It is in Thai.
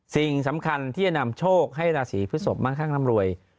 สิ่งสำคัญที่จะนำโชคให้ราศีพฤศพมั่งข้างร่ำรวย